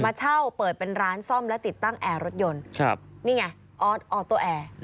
มาเช่าเปิดเป็นร้านซ่อมและติดตั้งแอร์รถยนต์ครับนี่ไงออสออโต้แอร์